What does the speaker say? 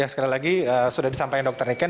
sekali lagi sudah disampaikan dr niken